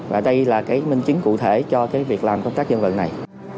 và đây là minh chứng cụ thể cho việc làm công tác dân vận này